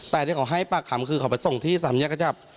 แต่ที่เขาให้ปากคำคือเขาไปส่งที่สามแยกกระจับ